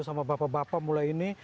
sama bapak bapak mulai ini